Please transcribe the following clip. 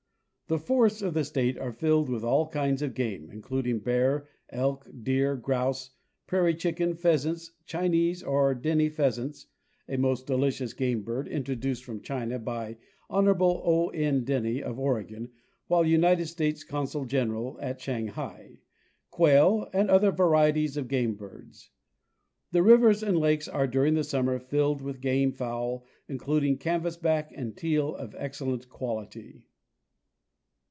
The forests of the state are filled with all kinds of game, in cluding bear, elk, deer, grouse, prairie chicken, pheasants, Chi nese or Denny pheasants (a most delicious game bird, introduced from China by Honorable O. N. Denny, of Oregon, while United States consul general at Shanghai), quail, and other varieties of game birds. The rivers and lakes are, during the summer, filled with game fowl, including canvas back, and teal of excellent quality.